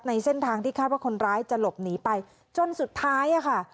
เส้นทางที่คาดว่าคนร้ายจะหลบหนีไปจนสุดท้ายอะค่ะ